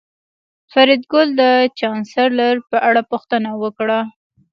فریدګل د چانسلر په اړه پوښتنه وکړه